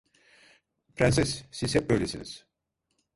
Prenses, siz hep böylesiniz…